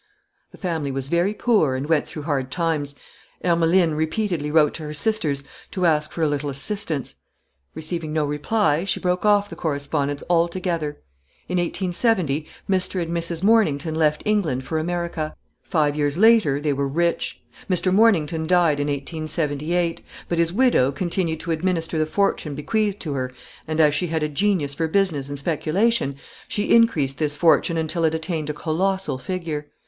"The family was very poor and went through hard times. Ermeline repeatedly wrote to her sisters to ask for a little assistance. Receiving no reply, she broke off the correspondence altogether. In 1870 Mr. and Mrs. Mornington left England for America. Five years later they were rich. Mr. Mornington died in 1878; but his widow continued to administer the fortune bequeathed to her and, as she had a genius for business and speculation, she increased this fortune until it attained a colossal figure.